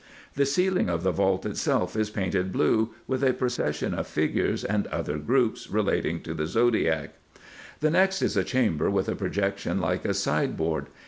The ceiling of the vault itself is painted blue, with a procession of figures and other groups relating to the zodiac. The next is a chamber with a projection like a side board.